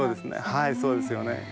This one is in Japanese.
はいそうですよね。